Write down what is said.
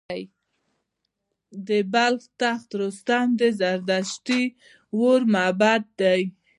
د بلخ تخت رستم د زردشتي اور معبد دی